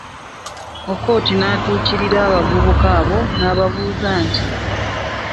Okot natuukirira abavubuka abo nababuuza nti